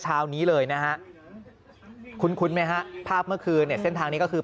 เช้านี้เลยนะฮะคุ้นไหมฮะภาพเมื่อคืนเนี่ยเส้นทางนี้ก็คือ